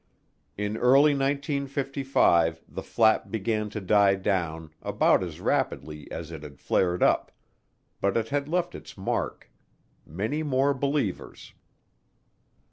In early 1955 the flap began to die down about as rapidly as it had flared up, but it had left its mark many more believers.